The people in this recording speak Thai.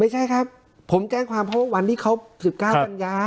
ไม่ใช่ครับผมแจ้งความเพราะว่าวันที่เขา๑๙กันยา